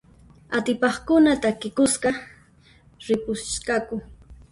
Atipaqkuna takikuspa ripusqaku.